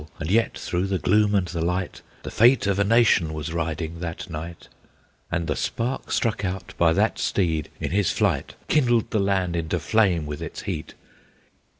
And yet, through the gloom and the light, The fate of a nation was riding that night; And the spark struck out by that steed, in his flight, Kindled the land into flame with its heat.